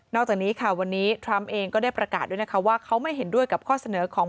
จากนี้ค่ะวันนี้ทรัมป์เองก็ได้ประกาศด้วยนะคะว่าเขาไม่เห็นด้วยกับข้อเสนอของ